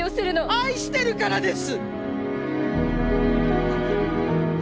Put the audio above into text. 愛してるからです！